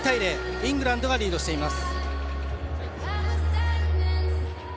イングランドがリードしています。